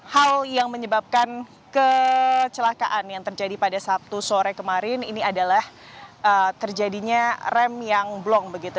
hal yang menyebabkan kecelakaan yang terjadi pada sabtu sore kemarin ini adalah terjadinya rem yang blong begitu